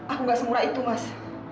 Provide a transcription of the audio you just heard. aku enggak semua itu mas